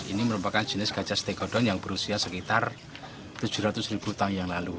ini merupakan jenis gajah stegodon yang berusia sekitar tujuh ratus ribu tahun yang lalu